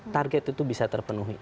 target itu bisa terpenuhi